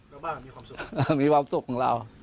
แล้วบ้านมีความสุขมีความสุขของเรา